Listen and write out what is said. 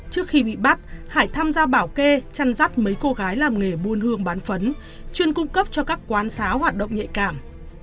trước khi bị bắt hải tham gia bảo kê chăn rắt mấy cô gái làm nghề buôn hương bán phấn chuyên cung cấp cho các quán xá hoạt động nhạy cảm